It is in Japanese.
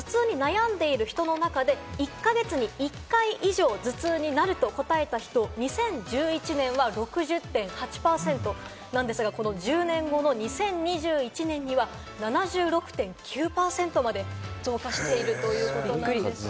こちら頭痛に悩んでいる人の中で、１か月に１回以上頭痛になると答えた人、２０１１年は６０．８％なんですが、この１０年後の２０２１年には７６．９％まで増加しているということなんです。